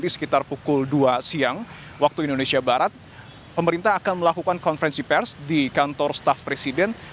sekitar pukul dua siang waktu indonesia barat pemerintah akan melakukan konferensi pers di kantor staff presiden